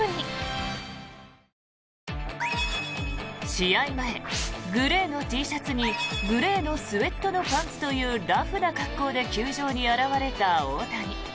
試合前、グレーのＴシャツにグレーのスウェットのパンツというラフな格好で球場に現れた大谷。